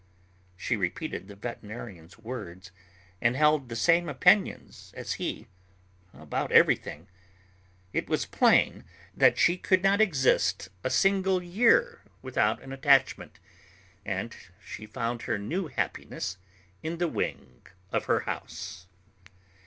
She repeated the veterinarian's words and held the same opinions as he about everything. It was plain that she could not exist a single year without an attachment, and she found her new happiness in the wing of her house.